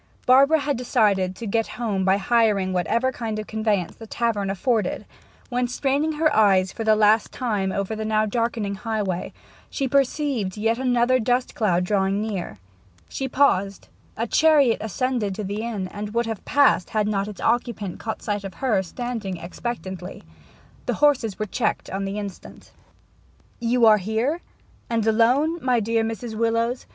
Barbara had decided to get home by hiring whatever kind of conveyance the tavern afforded, when, straining her eyes for the last time over the now darkening highway, she perceived yet another dust cloud drawing near. She paused; a chariot ascended to the inn, and would have passed had not its occupant caught sight of her standing expectantly. The horses were checked on the instant. 'You here and alone, my dear Mrs. Willowes?'